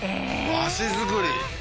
和紙作り